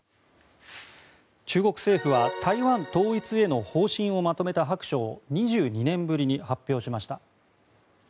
中国政府は台湾統一への方針をまとめた白書を２２年ぶりに発表しました。